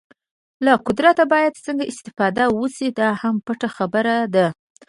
له قدرته باید څنګه استفاده وشي دا هم پټه خبره ده.